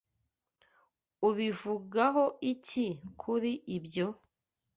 Ubivugaho iki kuri ibyo?